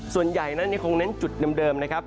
ส่วนใหญ่นั้นยังคงเน้นจุดเดิมนะครับ